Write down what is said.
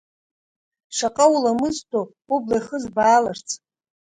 Шаҟа уламысдоу убла ихызбааларц…